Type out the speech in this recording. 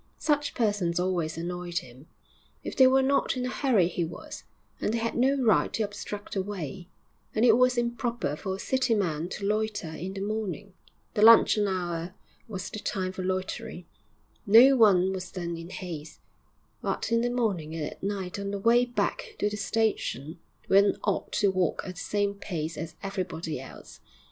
Such persons always annoyed him; if they were not in a hurry he was, and they had no right to obstruct the way; and it was improper for a city man to loiter in the morning the luncheon hour was the time for loitering, no one was then in haste; but in the morning and at night on the way back to the station, one ought to walk at the same pace as everybody else.